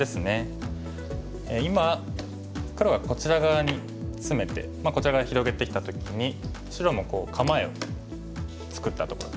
今黒がこちら側にツメてこちら側に広げてきた時に白も構えを作ったところですね。